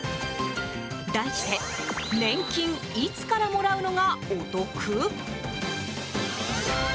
題して年金いつからもらうのがお得？